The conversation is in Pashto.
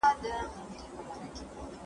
زه به درسونه اورېدلي وي!